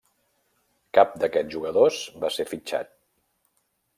Cap d'aquests jugadors va ser fitxat.